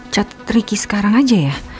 cat tricky sekarang aja ya